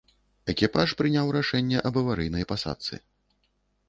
Экіпаж прыняў рашэнне аб аварыйнай пасадцы.